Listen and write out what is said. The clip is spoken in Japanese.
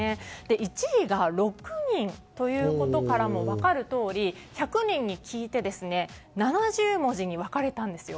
１位が６人ということからも分かるとおり１００人に聞いて７０文字に分かれたんですよ。